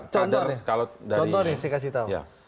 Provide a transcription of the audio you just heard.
contoh ya saya kasih tau